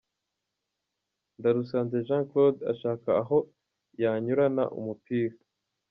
Ndarusanze Jean Claude ashaka aho yanyurana umupira.